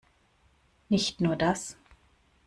Nicht nur das.